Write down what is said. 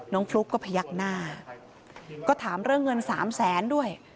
ฟลุ๊กก็พยักหน้าก็ถามเรื่องเงินสามแสนด้วย